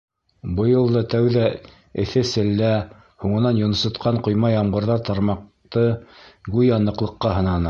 Быйыл да тәүҙә эҫе селлә, һуңынан йонсотҡан ҡойма ямғырҙар тармаҡты, гүйә, ныҡлыҡҡа һынаны.